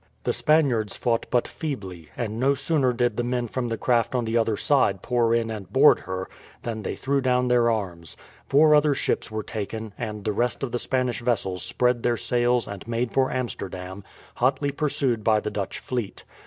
The Spaniards fought but feebly, and no sooner did the men from the craft on the other side pour in and board her than they threw down their arms. Four other ships were taken, and the rest of the Spanish vessels spread their sails and made for Amsterdam, hotly pursued by the Dutch fleet.